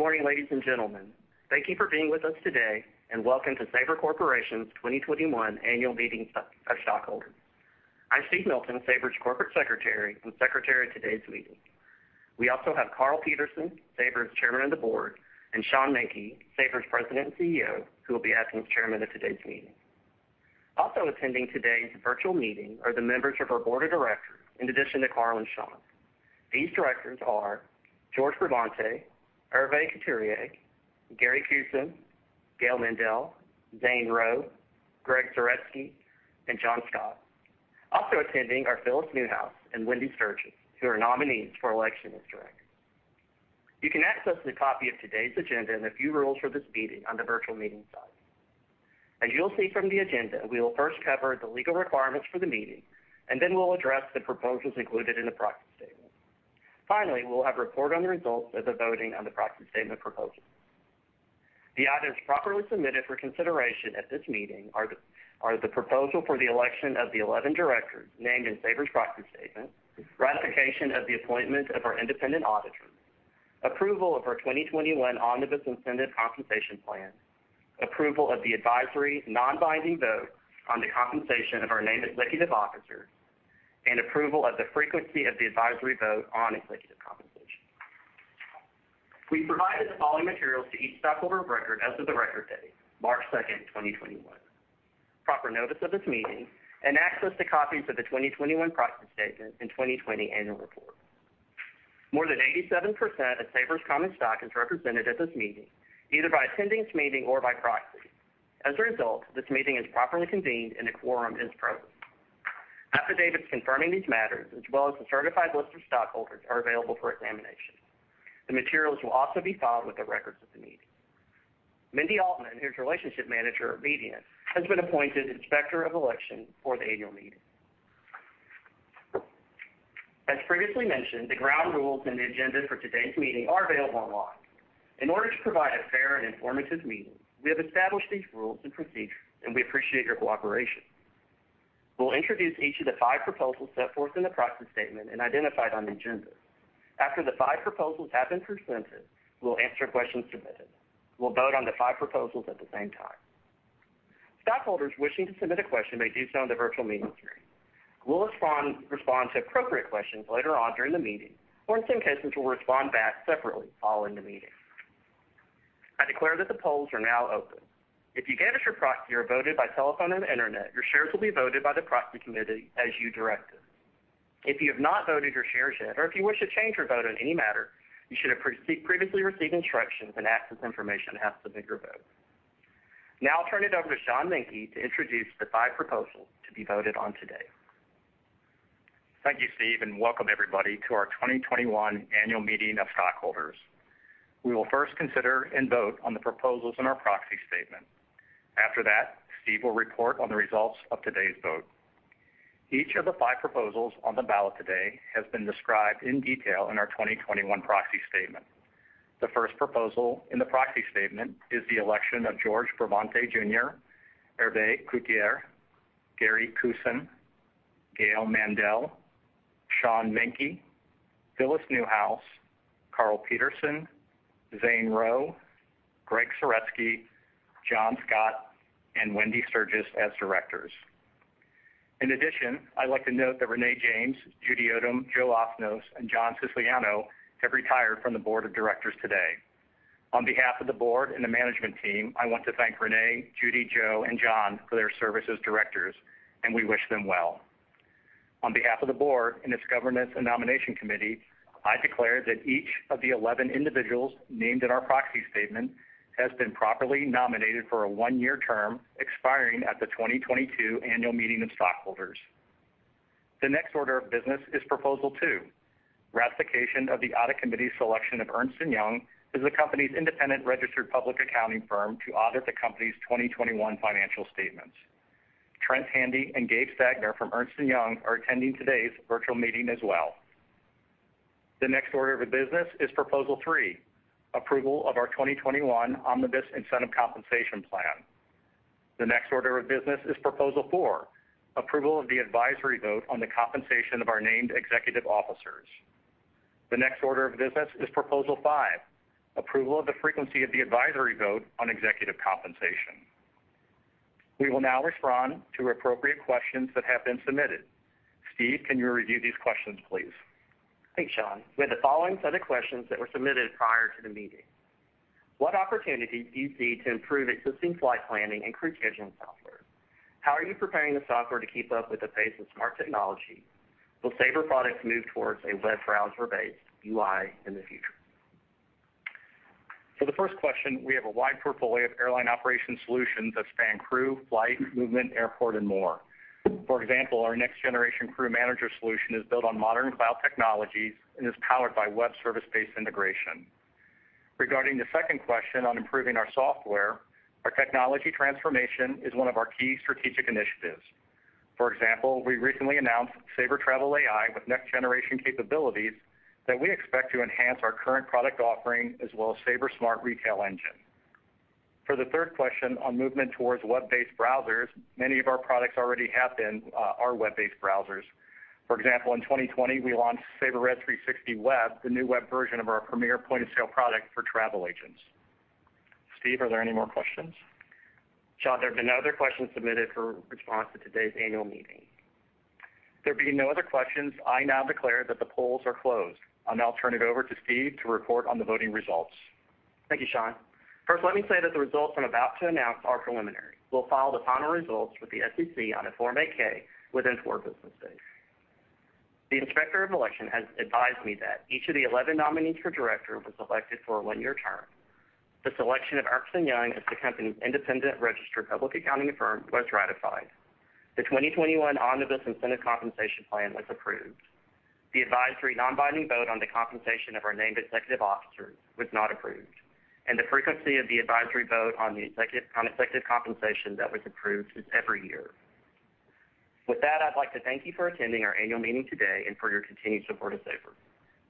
Good morning, ladies and gentlemen. Thank you for being with us today, and welcome to Sabre Corporation's 2021 annual meeting of stockholders. I'm Steve Milton, Sabre's corporate secretary, and secretary of today's meeting. We also have Karl Peterson, Sabre's chairman of the board, and Sean Menke, Sabre's president and CEO, who will be acting as chairman of today's meeting. Also attending today's virtual meeting are the members of our board of directors, in addition to Karl and Sean. These directors are George Bravante, Hervé Couturier, Gary Kusin, Gail Mandel, Zane Rowe, Gregg Saretsky, and John Scott. Also attending are Phyllis Newhouse and Wendi Sturgis, who are nominees for election as directors. You can access the copy of today's agenda and a few rules for this meeting on the virtual meeting site. As you'll see from the agenda, we will first cover the legal requirements for the meeting, and then we'll address the proposals included in the proxy statement. Finally, we'll have a report on the results of the voting on the proxy statement proposals. The items properly submitted for consideration at this meeting are the proposal for the election of the 11 directors named in Sabre's proxy statement, ratification of the appointment of our independent auditors, approval of our 2021 Omnibus Incentive Compensation Plan, approval of the advisory non-binding vote on the compensation of our named executive officers, and approval of the frequency of the advisory vote on executive compensation. We provided the following materials to each stockholder of record as of the record date, March 2nd, 2021: proper notice of this meeting and access to copies of the 2021 proxy statement and 2020 annual report. More than 87% of Sabre's common stock is represented at this meeting, either by attending this meeting or by proxy. As a result, this meeting is properly convened, and a quorum is present. Affidavits confirming these matters, as well as the certified list of stockholders, are available for examination. The materials will also be filed with the records of the meeting. Mindy Altman, who's relationship manager at Mediant, has been appointed Inspector of Election for the annual meeting. As previously mentioned, the ground rules and the agenda for today's meeting are available online. In order to provide a fair and informative meeting, we have established these rules and procedures, and we appreciate your cooperation. We'll introduce each of the five proposals set forth in the proxy statement and identified on the agenda. After the five proposals have been presented, we'll answer questions submitted. We'll vote on the five proposals at the same time. Stockholders wishing to submit a question may do so on the virtual meeting screen. We'll respond to appropriate questions later on during the meeting, or in some cases, we'll respond back separately following the meeting. I declare that the polls are now open. If you gave us your proxy or voted by telephone and internet, your shares will be voted by the proxy committee as you directed. If you have not voted your shares yet, or if you wish to change your vote on any matter, you should have previously received instructions and access information on how to submit your vote. Now I'll turn it over to Sean Menke to introduce the five proposals to be voted on today. Thank you, Steve. Welcome everybody to our 2021 annual meeting of stockholders. We will first consider and vote on the proposals in our proxy statement. After that, Steve will report on the results of today's vote. Each of the five proposals on the ballot today has been described in detail in our 2021 proxy statement. The first proposal in the proxy statement is the election of George Bravante Jr, Hervé Couturier, Gary Kusin, Gail Mandel, Sean Menke, Phyllis Newhouse, Karl Peterson, Zane Rowe, Gregg Saretsky, John Scott, and Wendi Sturgis as directors. In addition, I'd like to note that Renee James, Judy Odom, Joseph Osnoss, and John Siciliano have retired from the board of directors today. On behalf of the board and the management team, I want to thank Renee, Judy, Joe, and John for their service as directors, and we wish them well. On behalf of the board and its governance and nomination committee, I declare that each of the 11 individuals named in our proxy statement has been properly nominated for a one-year term expiring at the 2022 annual meeting of stockholders. The next order of business is Proposal 2, ratification of the audit committee selection of Ernst & Young as the company's independent registered public accounting firm to audit the company's 2021 financial statements. Trent Henry and Gabe Stagner from Ernst & Young are attending today's virtual meeting as well. The next order of business is Proposal 3, approval of our 2021 Omnibus Incentive Compensation Plan. The next order of business is Proposal 4, approval of the advisory vote on the compensation of our named executive officers. The next order of business is Proposal 5, approval of the frequency of the advisory vote on executive compensation. We will now respond to appropriate questions that have been submitted. Steve, can you review these questions, please? Thanks, Sean. We have the following set of questions that were submitted prior to the meeting. What opportunities do you see to improve existing flight planning and crew scheduling software? How are you preparing the software to keep up with the pace of smart technology? Will Sabre products move towards a web browser-based UI in the future? For the first question, we have a wide portfolio of Airline Operation Solutions that span crew, flight, movement, airport, and more. For example, our next-generation crew manager solution is built on modern cloud technologies and is powered by web service-based integration. Regarding the second question on improving our software, our technology transformation is one of our key strategic initiatives. For example, we recently announced Sabre Travel AI with next-generation capabilities that we expect to enhance our current product offering as well as Sabre Smart Retail Engine. For the third question on movement towards web-based browsers, many of our products already have been our web-based browsers. For example, in 2020, we launched Sabre Red 360 Web, the new web version of our premier point-of-sale product for travel agents. Steve, are there any more questions? Sean, there have been no other questions submitted for response at today's annual meeting. There being no other questions, I now declare that the polls are closed. I'll now turn it over to Steve to report on the voting results. Thank you, Sean. First, let me say that the results I'm about to announce are preliminary. We'll file the final results with the SEC on a Form 8-K within four business days. The Inspector of Election has advised me that each of the 11 nominees for director was elected for a one-year term. The selection of Ernst & Young as the company's independent registered public accounting firm was ratified. The 2021 Omnibus Incentive Compensation Plan was approved. The advisory non-binding vote on the compensation of our named executive officers was not approved, and the frequency of the advisory vote on executive compensation that was approved is every year. With that, I'd like to thank you for attending our annual meeting today and for your continued support of Sabre.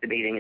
The meeting is.